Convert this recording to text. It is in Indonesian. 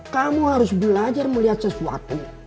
kamu harus belajar melihat sesuatu